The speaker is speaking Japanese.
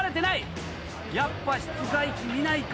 やっぱ室外機見ないか。